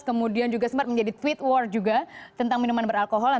kemudian juga sempat menjadi tweet war juga tentang minuman beralkohol